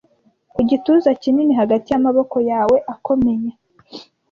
ku gituza kinini hagati yamaboko yawe akomeye